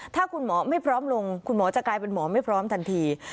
ถ้าคุณหมอไม่พร้อมลงคุณหมอจะกลายเป็นหมอไม่พร้อมทันที